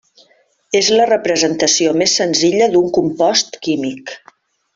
És la representació més senzilla d'un compost químic.